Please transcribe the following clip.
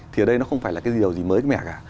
thì ở đây nó không phải là cái điều gì mới mẻ cả